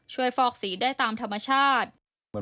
ฟอกสีได้ตามธรรมชาติ